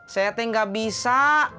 saya teh gak bisa